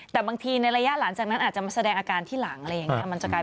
แต่บางทีในระยะหลังจากนั้นอาจจะมาแสดงอาการที่หลังอะไรอย่างนี้